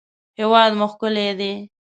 هېواد مو ښکلی دی